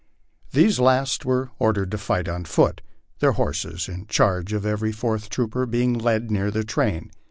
These last were ordered to fight on foot, their horses, in charge of every fourth trooper, being led near the train.